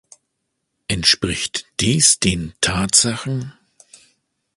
Entspricht dies den Tatsachen?